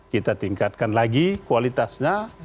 kita tingkatkan lagi kualitasnya